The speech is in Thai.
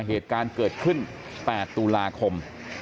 เหตุการณ์เกิดขึ้น๘ตุลาคม